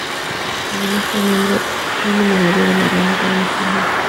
Además, fue miembro no numerario de la Real Academia Española.